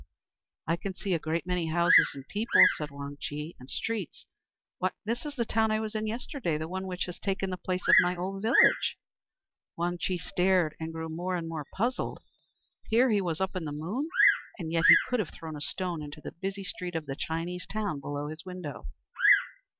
"I can see a great many houses and people," said Wang Chih, "and streets why, this is the town I was in yesterday, the one which has taken the place of my old village." Wang Chih stared, and grew more and more puzzled. Here he was up in the Moon, and yet he could have thrown a stone into the busy street of the Chinese town below his window.